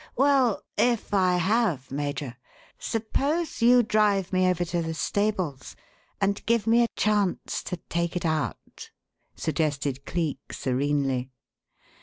"Well, if I have, Major, suppose you drive me over to the stables and give me a chance to take it out?" suggested Cleek, serenely.